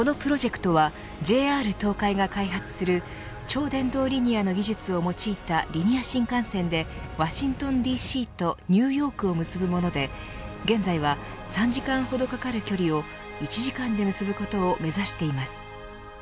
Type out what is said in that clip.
このプロジェクトはＪＲ東海が開発する超電導リニアの技術を用いたリニア新幹線でワシントンＤＣとニューヨークを結ぶもので現在は３時間ほどかかる距離を１時間で結ぶことを目指しています。